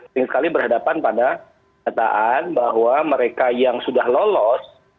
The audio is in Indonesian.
sering sekali berhadapan pada kataan bahwa mereka yang sudah lolos